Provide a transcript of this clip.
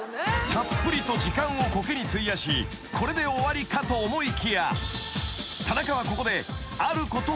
［たっぷりと時間をコケに費やしこれで終わりかと思いきや］